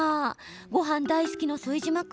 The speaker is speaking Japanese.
ごはん大好きの副島君